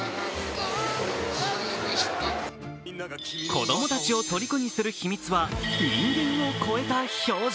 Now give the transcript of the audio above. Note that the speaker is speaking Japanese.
子供たちをとりこにする秘密は、人間を超えた表情。